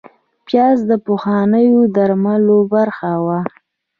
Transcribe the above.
پیاز د پخوانیو درملو برخه وه